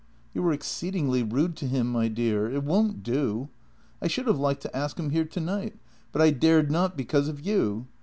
" You were exceedingly rude to him, my dear. It won't do. I should have liked to ask him here tonight, but I dared not because of you.